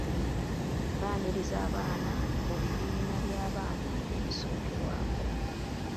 Baaniriza abaana mu bibiina by'abaana ebisookerwako.